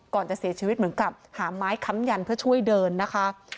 ก่อนจะเสียชีวิตเหมือนกับหาไม้ค้ำยันเพื่อช่วยเดินนะคะ